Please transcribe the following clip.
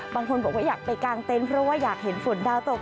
บางคนบอกว่าอยากไปกางเต็นต์เพราะว่าอยากเห็นฝนดาวตก